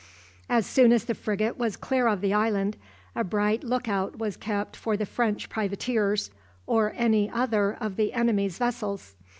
As soon as the frigate was clear of the island, a bright look out was kept for the French privateers or any other of the enemy's vessels.